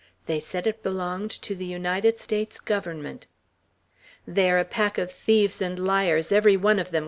They said it belonged to the United States Government." "They are a pack of thieves and liars, every one of them!"